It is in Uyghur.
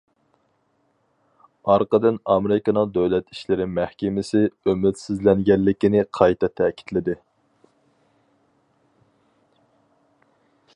ئارقىدىن ئامېرىكىنىڭ دۆلەت ئىشلىرى مەھكىمىسى ئۈمىدسىزلەنگەنلىكىنى قايتا تەكىتلىدى.